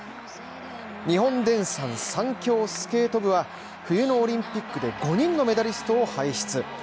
日本電産サンキョースケート部は冬のオリンピックで、５人のメダリストを輩出。